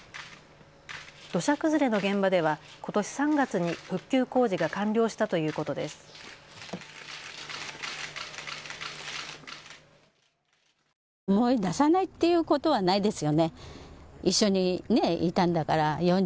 土砂崩れの現場ではことし３月に復旧工事が完了したということです。